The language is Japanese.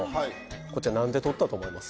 こちらなんで撮ったと思います？